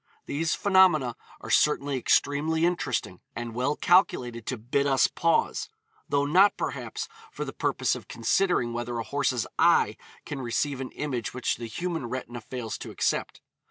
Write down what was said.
These phenomena are certainly extremely interesting, and well calculated to 'bid us pause,' though not, perhaps, for the purpose of considering whether a horse's eye can receive an image which the human retina fails to accept.